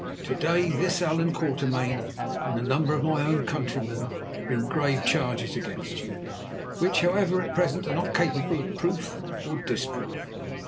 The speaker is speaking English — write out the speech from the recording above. To day this Allan Quatermain and a number of my own countrymen bring grave charges against you, which, however, at present are not capable of proof or disproof.